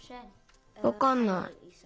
わかんない。